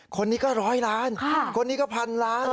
คนนี้ก็ร้อยล้านคนนี้ก็พันล้าน